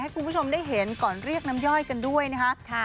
คุณผู้ชมได้เห็นก่อนเรียกน้ำย่อยกันด้วยนะคะ